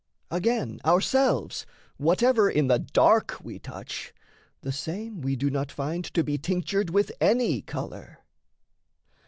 Again, ourselves whatever in the dark We touch, the same we do not find to be Tinctured with any colour.